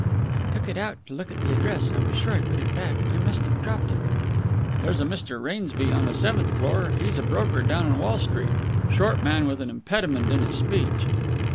"I took it out to look at the address, and I was sure I put it back. I must have dropped it." "There's a Mr. Rainsby on the seventh floor. He's a broker down on Wall Street. Short man with an impediment in his speech."